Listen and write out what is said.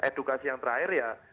edukasi yang terakhir ya